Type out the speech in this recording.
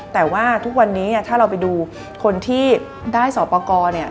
แต่ว่าทุกวันนี้ถ้าเราไปดูคนที่ได้สอบประกอบเนี่ย